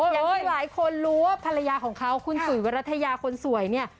อย่างที่หลายคนรู้ว่าภรรยาของเขาคุณสุยวรัฐยาคนสวยเนี่ย